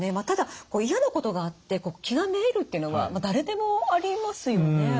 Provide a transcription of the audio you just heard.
ただ嫌なことがあって気がめいるっていうのは誰でもありますよね。